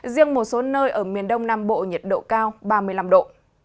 riêng một số nơi ở miền đông nam bộ nhiệt độ cao ba mươi năm độ